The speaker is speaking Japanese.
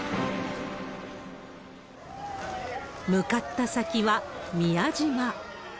向かった先は宮島。